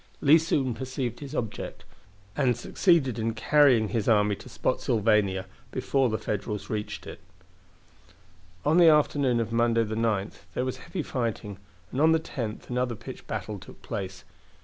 Lee soon perceived his object, and succeeded in carrying his army to Spotsylvania before the Federals reached it. On the afternoon of Monday, the 9th, there was heavy fighting and on the 10th another pitched battle took place.